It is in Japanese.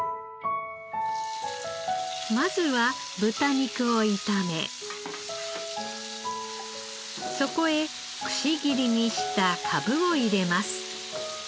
まずは豚肉を炒めそこへくし切りにしたかぶを入れます。